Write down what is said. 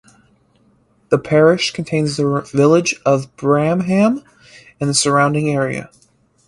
The parish contains the village of Bramham and the surrounding area.